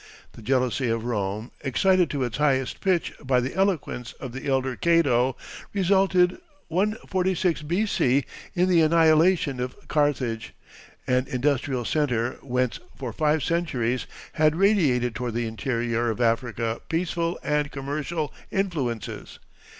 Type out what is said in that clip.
The jealousy of Rome, excited to its highest pitch by the eloquence of the elder Cato, resulted, 146 B.C., in the annihilation of Carthage, an industrial centre whence for five centuries had radiated toward the interior of Africa peaceful and commercial influences.